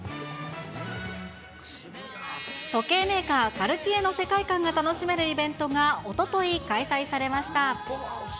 時計メーカー、カルティエの世界観が楽しめるイベントがおととい、開催されました。